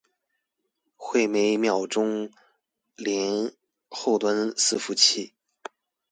會每秒鐘連後端伺服器